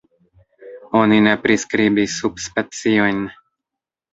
Oni ne priskribis subspeciojn.